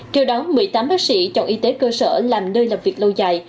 trước đó một mươi tám bác sĩ chọn y tế cơ sở làm nơi làm việc lâu dài